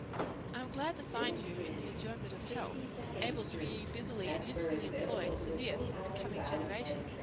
"I am glad to find you in the enjoyment of health able to be busily and usefully employed for this and coming generations.